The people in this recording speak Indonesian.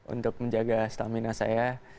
untuk menjaga stamina saya